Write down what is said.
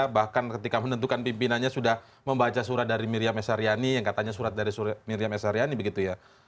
bahkan ketika menentukan pimpinannya sudah membaca surat dari miriam esaryani yang katanya surat dari miriam s haryani begitu ya